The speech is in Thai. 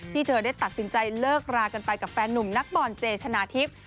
เธอได้ตัดสินใจเลิกรากันไปกับแฟนนุ่มนักบอลเจชนะทิพย์